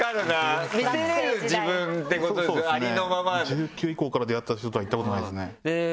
１９以降から出会った人とは行ったことないですね。